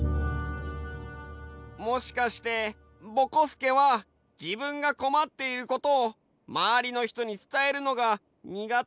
もしかしてぼこすけはじぶんがこまっていることをまわりのひとに伝えるのがにがてなんじゃないかな？